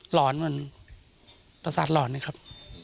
หอนเหมือนประสาทหลอนเลยครับ